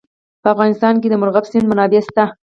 په افغانستان کې د مورغاب سیند منابع شته.